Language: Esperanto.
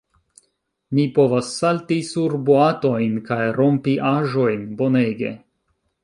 Mi povas salti sur boatojn, kaj rompi aĵojn. Bonege.